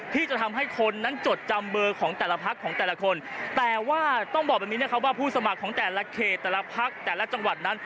ที่จะทำให้คนนั้นจดจำเบอร์ของแต่ละพักของแต่ละคนแต่ว่าต้องบอกแบบนี้นะครับว่าผู้สมัครของแต่ละเขตแต่ละพักแต่ละจังหวัดนั้น